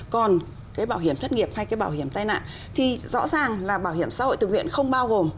còn cái bảo hiểm thất nghiệp hay cái bảo hiểm tai nạn thì rõ ràng là bảo hiểm xã hội tự nguyện không bao gồm